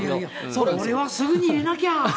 これはすぐに入れなきゃ。